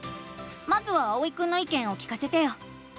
まずはあおいくんのいけんを聞かせてよ！